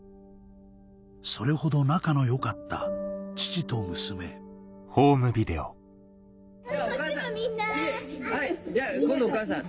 それほど仲の良かった父と娘じゃあお母さんはい今度お母さん。